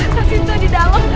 kasinta di dalam